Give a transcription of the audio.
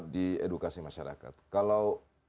di edukasi masyarakat kalau